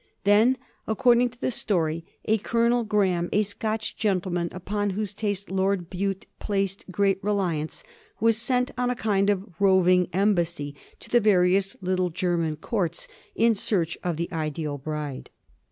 Then, according to the story, a Colonel Graeme, a Scotch gentleman upon whose taste Lord Bute placed great reliance, was sent on a kind of roving embassy to the various little German Courts in search of the ideal bride.